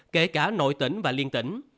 kể cả nội tỉnh và liên tỉnh